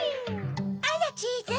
あらチーズ。